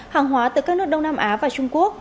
hàng hóa từ các nước đông nam á và trung quốc